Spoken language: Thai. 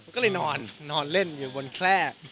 ก็เลยนอนเหมือนเราตื่นล่ะ